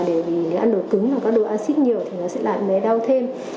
để vì ăn đồ cứng và có đồ acid nhiều thì nó sẽ làm bé đau thêm